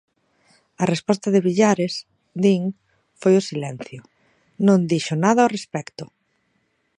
A resposta de Villares, din, foi o silencio, "non dixo nada ao respecto".